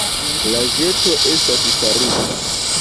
La ĵeto estas farita.